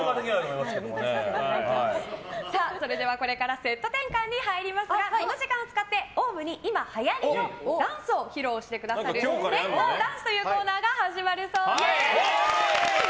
それではこれからセット転換に入りますがこの時間を使ってＯＷＶに今、はやりのダンスを披露してくださる転換ダンスというコーナーが始まるそうです。